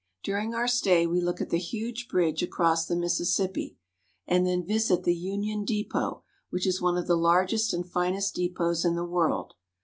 During our stay we look at the huge bridge across the Mississippi, and then visit the Union Depot, which is one of the largest and finest depots in the world.